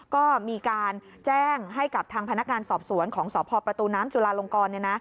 ก็มีการแจ้งให้กับทางพนักงานสอบสวนของสพประตูน้ำจุลาลงกร